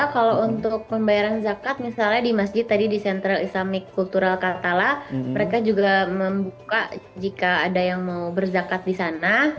kalau untuk pembayaran zakat misalnya di masjid tadi di central islamic cultural katala mereka juga membuka jika ada yang mau berzakat di sana